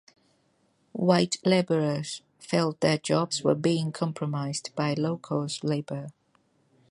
White laborers felt their jobs were being compromised by low-cost labor.